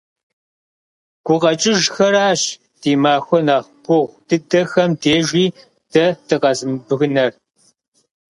ГукъэкӀыжхэращ ди махуэ нэхъ гугъу дыдэхэм дежи дэ дыкъэзымыбгынэр.